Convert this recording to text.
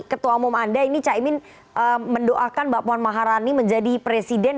ketua umum anda ini caimin mendoakan mbak puan maharani menjadi presiden